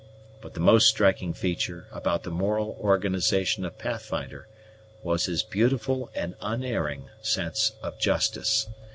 But the most striking feature about the moral organization of Pathfinder was his beautiful and unerring sense of justice.